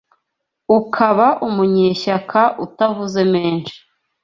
ukaba umunyeshyaka utavuze menshi